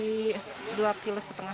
beli dua kilo setengah